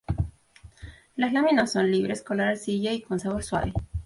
Las láminas son libres, color arcilla y con sabor suave.